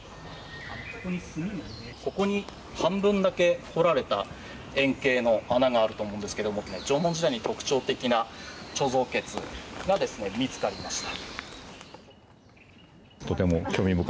ここに半分だけ掘られた円形の穴があると思うんですけども縄文時代に特徴的な貯蔵穴が見つかりました。